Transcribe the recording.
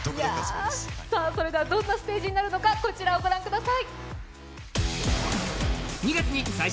それでは、どんなステージになるのか、こちらをご覧ください。